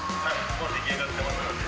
もう出来上がってますので。